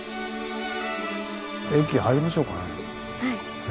駅入りましょうかね。